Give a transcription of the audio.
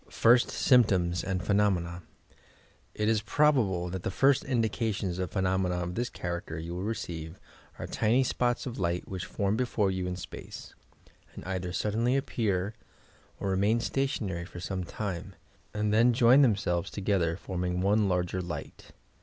FIRST SYMPTOMS AND PHENOMENA It is probable that the first indications of phenomena of this character you will receive are tiny spots of light which form before you in space, and either suddenly appear or remain stationary for some time, and then join theoiselves together, forming one larger light.